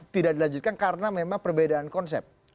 tidak dilanjutkan karena memang perbedaan konsep